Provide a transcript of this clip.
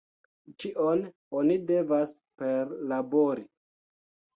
Ĉion oni devas perlabori.